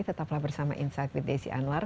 tetaplah bersama insight with desi anwar